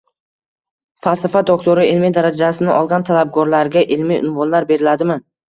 Falsafa doktori ilmiy darajasini olgan talabgorlarga ilmiy unvonlar beriladimi?